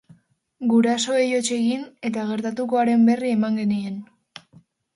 Gurasoei hots egin, eta gertatutakoaren berri eman genien.